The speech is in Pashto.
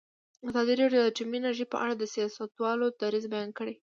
ازادي راډیو د اټومي انرژي په اړه د سیاستوالو دریځ بیان کړی.